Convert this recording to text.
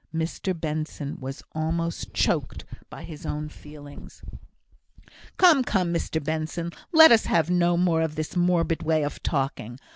Mr Benson was almost choked by his own feelings. "Come, come, Mr Benson, let us have no more of this morbid way of talking.